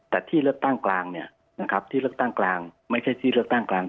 แต่ที่เลือกตั้งกลางไม่ใช่ที่เลือกตั้งกลาง